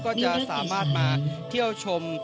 ก็จะสามารถมาเที่ยวชม